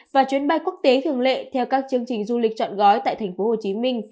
và chuyến bay quốc tế thường lệ theo các chương trình du lịch chọn gói tại tp hcm